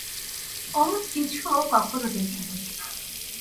অমন কিছুও কখনো দেখিনি।